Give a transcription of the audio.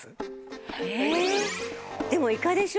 でもイカでしょ？